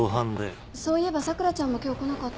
そういえば桜ちゃんも今日来なかったよね。